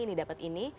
ini dapat ini